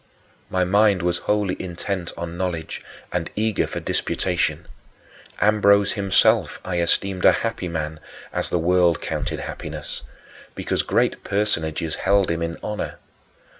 My mind was wholly intent on knowledge and eager for disputation. Ambrose himself I esteemed a happy man, as the world counted happiness, because great personages held him in honor.